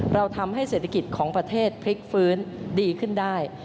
เราทำให้เศรษฐกิจของประเทศพลิกฟื้นดีขึ้นได้